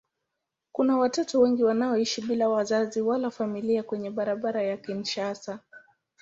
Kuna watoto wengi wanaoishi bila wazazi wala familia kwenye barabara za Kinshasa.